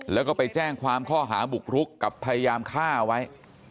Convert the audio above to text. แล้วก็ไปแจ้งความข้อหาบุกรุกกับพยายามฆ่าไว้